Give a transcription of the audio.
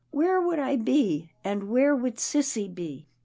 Where would I be? — and where would sissy be?"